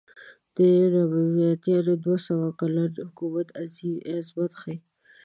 د نبطیانو دوه سوه کلن حکومت عظمت ښیې.